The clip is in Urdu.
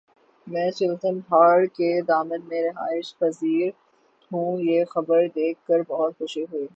میں چلتن پہاڑ کے دامن میں رہائش پزیر ھوں یہ خبر دیکھ کر بہت خوشی ہوئ